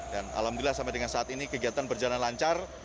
dan alhamdulillah sampai dengan saat ini kegiatan berjalan lancar